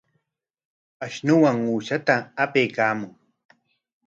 Ashunuwan uqshata apaykaamun.